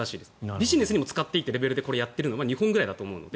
ビジネスで使ってもいいくらいでこれをやっているのは日本ぐらいだと思うので。